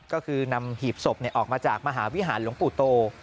ก็คือนำหีบศพออกมาจากมหาวิหารหลวงปู่โต